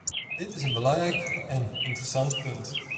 Dit is een belangrijk en interessant punt.